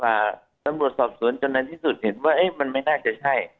ปลาซึ่งบริษัทสอบสวนจนอันที่สุดที่เห็นว่าเอ๊ะมันไม่น่าจะใช่